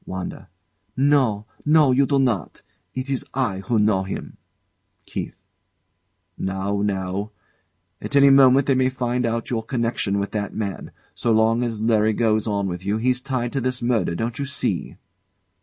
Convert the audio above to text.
WANDA. No, no, you do not. It is I who know him. KEITH. Now, now! At any moment they may find out your connection with that man. So long as Larry goes on with you, he's tied to this murder, don't you see?